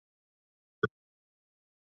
বাঁধ ভেঙ্গে গ্রামে পানি প্রবেশ করতে থাকে।